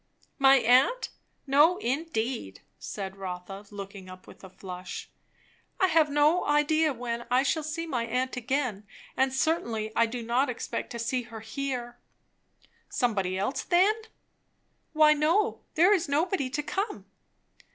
"My aunt? No indeed!" said Rotha looking up with a flush. "I have no idea when I shall see my aunt again; and certainly I do not expect to see her here." "Somebody else, then?" "Why no! There is nobody to come."